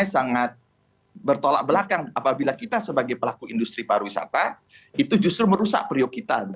jadi sangat bertolak belakang apabila kita sebagai pelaku industri para wisata itu justru merusak periuk kita